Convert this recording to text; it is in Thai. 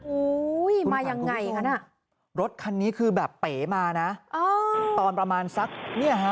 อุ้ยมายังไงคะน่ะรถคันนี้คือแบบเป๋มานะตอนประมาณสักเนี่ยฮะ